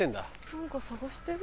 何か探してる？